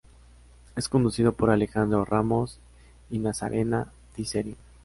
Es conducido por Alejandro Ramos y Nazarena Di Serio.